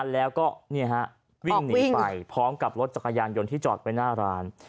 แล้วก็วิ่งหนีไปพร้อมกับรถจักรยานยนต์ที่จอดไว้หน้าร้าน